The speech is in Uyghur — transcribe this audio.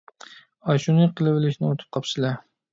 ئاشۇنى قىلىۋېلىشنى ئۇنتۇپ قاپسىلە!